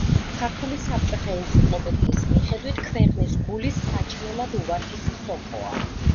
ქართული საბჭოთა ენციკლოპედიის მიხედვით, ქვეყნის გული საჭმელად უვარგისი სოკოა.